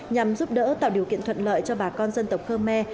nhằm giúp đỡ tạo điều kiện thuận lợi cho bà con dân tộc khơ me